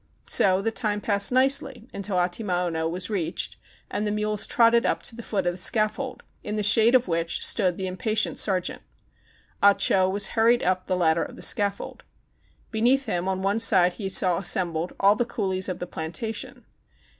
So the time passed nicely until Atimaono was reached and the mules trotted up to the foot of the scaffold, in the shade of which stood the im patient sergeant. Ah Cho was hurried up the ladder of the scaffold. Beneath him on one side he saw assembled all the coolies of the plan tation.